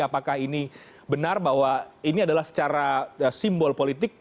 apakah ini benar bahwa ini adalah secara simbol politik